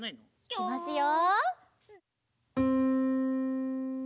いきますよ！